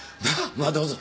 まあどうぞ。